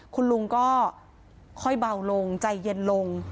คุณลุงก็ค่อยเบาลงใจเย็นลง